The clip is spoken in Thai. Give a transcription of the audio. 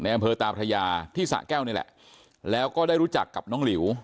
อำเภอตาพระยาที่สะแก้วนี่แหละแล้วก็ได้รู้จักกับน้องหลิว